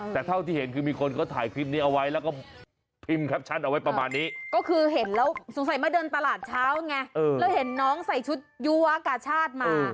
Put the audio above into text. แต่เท่าที่เห็นคือมีคนก็ถ่ายคลิปนี้เอาไว้